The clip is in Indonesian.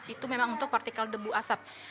itu memang untuk partikel debu asap